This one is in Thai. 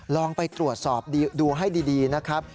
ลองไปตรวจสอบดูให้ดีนะครับ